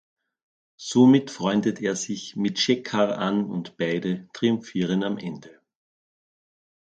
Somit freundet er sich mit Shekhar an und beide triumphieren am Ende.